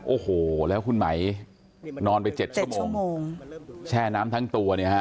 โอ้โหแล้วคุณไหมนอนไป๗ชั่วโมงแช่น้ำทั้งตัวเนี่ยฮะ